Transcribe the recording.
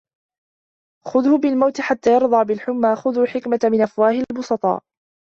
خُذْهُ بالموت حتى يرضى بالحُمَّى خذو الحكمة من أفواه البسطاء